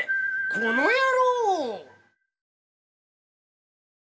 この野郎！